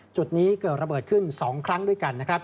จุดนี้เกิดระเบิดขึ้น๒ครั้งด้วยกันนะครับ